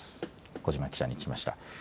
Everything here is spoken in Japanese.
小嶋記者に聞きました。